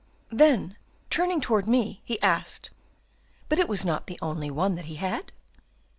"Then, turning toward me, he asked, 'But it was not the only one that he had?